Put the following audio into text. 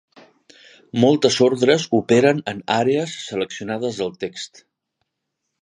Moltes ordres operen en àrees seleccionades del text.